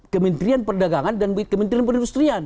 kementerian perdagangan dan kementerian perindustrian